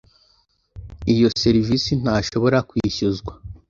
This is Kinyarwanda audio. iyo serivisi ntashobora kwishyuzwa